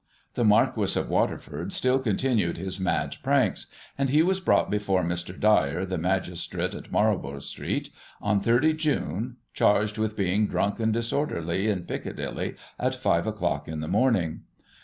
The Marquis of Waterford still continued his mad pranks, and he was brought before Mr. Dyer, the Magistrate at Marlborough Street, on 30 Jime, chained with being drunk and disorderly in Piccadilly at 5 o'clock in the morning.